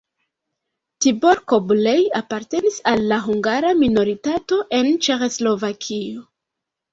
Tibor Kobulej apartenis al la hungara minoritato en Ĉeĥoslovakio.